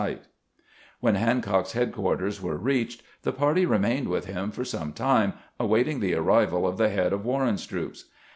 80 CAMPAIGNING WITH GRANT When Hancock's headquarters were reached, the party remained with him for some time, awaiting the arrival of the head of "Warren's troops.